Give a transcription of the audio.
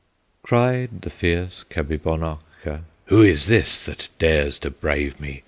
Cried the fierce Kabibonokka, "Who is this that dares to brave me?